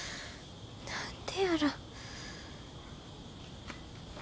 何でやろ。